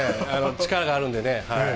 力があるんでね。